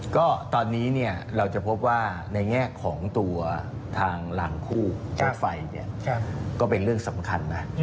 ก็ตอนนี้เราจะพบว่าในแง่ของตัวทางหลังคู่รถไฟก็เป็นเรื่องสำคัญนะ